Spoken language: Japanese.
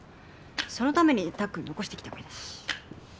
そのためにたっくん残してきたわけだし。